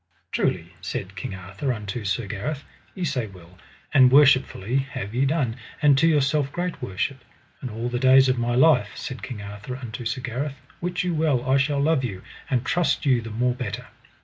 Truly, said King Arthur unto Sir Gareth, ye say well, and worshipfully have ye done and to yourself great worship; and all the days of my life, said King Arthur unto Sir Gareth, wit you well I shall love you, and trust you the more better.